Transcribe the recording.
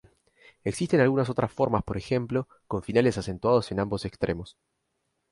Existen algunas otras formas, por ejemplo, con finales acentuados en ambos extremos.